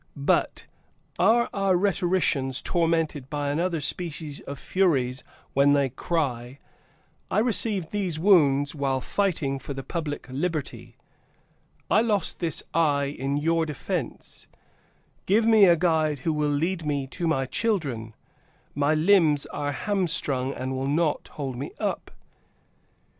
But) are our rhetoricians tormented by another species of Furies when they cry, "I received these wounds while fighting for the public liberty; I lost this eye in your defense: give me a guide who will lead me to my children, my limbs are hamstrung and will not hold me up!"